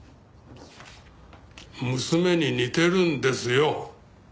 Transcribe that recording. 娘に似てるんですよ。